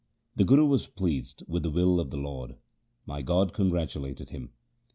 The Guru was pleased with the will of the Lord ; my God congratulated him.